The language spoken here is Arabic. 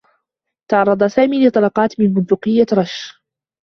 تعرّض سامي لطلقات من بندقيّة رشّ.